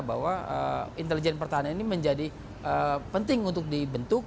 bahwa intelijen pertahanan ini menjadi penting untuk dibentuk